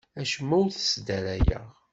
Acemma ur t-sdarayeɣ.